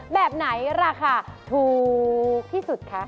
แบบไหนราคาถูกที่สุดคะ